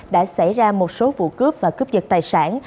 đã xảy ra một số vụ cướp và cướp dật tài sản